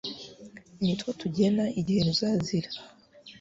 nitwo tugena igihe ruzazira,